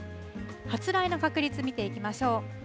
発雷の確率、見ていきましょう。